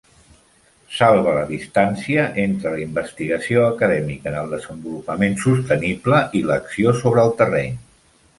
Salva la distància entre la investigació acadèmica en el desenvolupament sostenible i l'acció sobre el terreny.